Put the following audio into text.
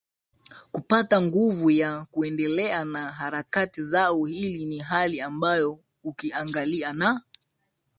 kupata nguvu ya kuendelea na harakati zao hii ni hali ambayo ukiangalia na